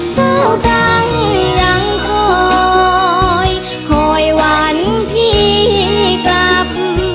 เซาตังอย่างคอยคอยวันพี่กลับ